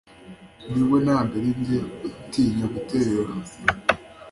Ni we ntabwo ari njye utinya gutereranwa